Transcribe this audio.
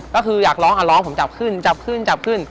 ก็คืออยากร้องอ่ะร้องผมจับขึ้นจับขึ้นจับขึ้น